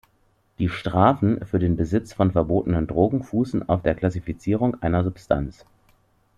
Die Strafen für den Besitz von verbotenen Drogen fußen auf der Klassifizierung einer Substanz.